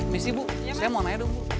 miss ibu saya mau naik dulu